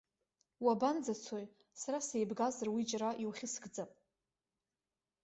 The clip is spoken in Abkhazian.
Уабанӡацои, сара сеибгазар уи џьара иухьысыгӡап.